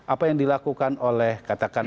apa yang dilakukan oleh katakan